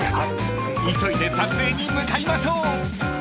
［急いで撮影に向かいましょう］